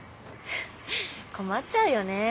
困っちゃうよね。